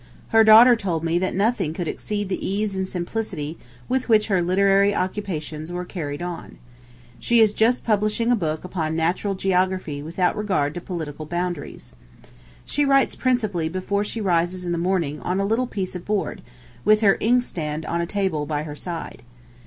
... Her daughter told me that nothing could exceed the ease and simplicity with which her literary occupations were carried on. She is just publishing a book upon Natural Geography without regard to political boundaries. She writes principally before she rises in the morning on a little piece of board, with her inkstand on a table by her side.